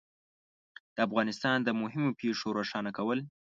د افغانستان د مهمو پېښو روښانه کول